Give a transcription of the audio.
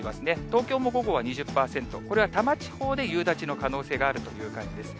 東京も午後は２０％、これは多摩地方で夕立の可能性があるという感じです。